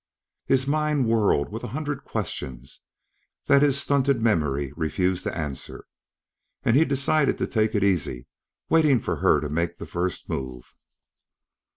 His mind whirled with a hundred questions that his stunted memory refused to answer, and he decided to take it easy, waiting for her to make the first move.